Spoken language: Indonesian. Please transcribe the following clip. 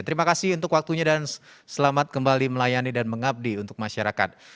terima kasih untuk waktunya dan selamat kembali melayani dan mengabdi untuk masyarakat